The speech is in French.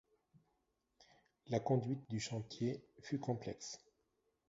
La conduite du chantier fut complexe.